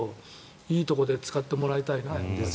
いいところで使ってもらいたいな。